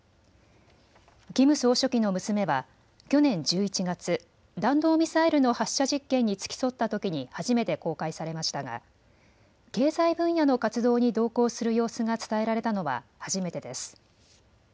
キム総書記の娘は去年１１月、弾道ミサイルの発射実験に付き添ったときに初めて公開されましたが経済分野の活動に同行する様子が伝えられたのは初めてです。